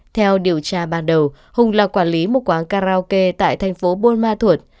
theo điều tra ban đầu hùng là quản lý một quán karaoke tại thành phố buôn ma thuột